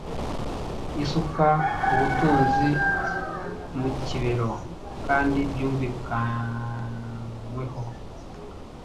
isuka ubutunzi mukibero kandi byumvikanyweho